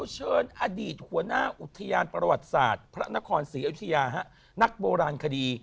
เชิญอดีตหัวหน้าอุทยานประวัติศาสตร์พระนครศรีอยุธยานักโบราณคดี